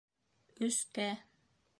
Өскә.